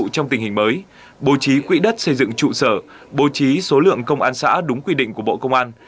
trong tình hình mới bố trí quỹ đất xây dựng trụ sở bố trí số lượng công an xã đúng quy định của bộ công an